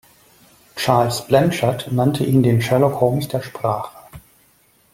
Charles Blanchard nannte ihn den „Sherlock Holmes der Sprache“.